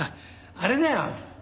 あれだよ